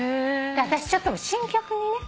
私ちょっと新曲にね。